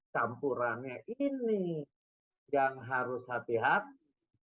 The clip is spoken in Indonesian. campurannya ini yang harus hati hati